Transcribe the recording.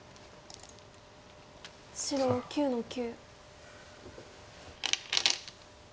白９の九。